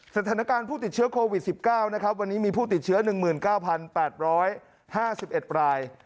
สถานการณ์ผู้ติดเชื้อโควิด๑๙นะครับวันนี้มีผู้ติดเชื้อ๑๙๘๕๑ราย